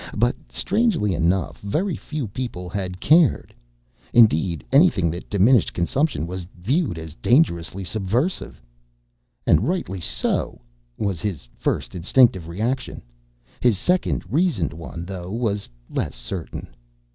But, strangely enough, very few people had cared. Indeed, anything that diminished consumption was viewed as dangerously subversive. "And rightly so!" was his first, instinctive reaction. His second, reasoned one, though, was less certain.